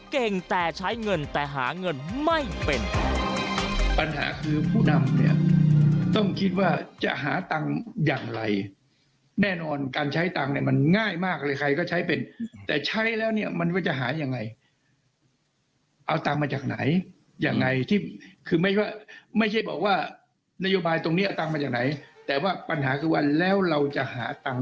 เก่งแต่ใช้เงินแต่หาเงินไม่เป็น